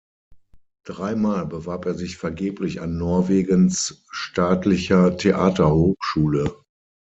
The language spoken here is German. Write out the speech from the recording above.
Dreimal bewarb er sich vergeblich an Norwegens staatlicher Theaterhochschule.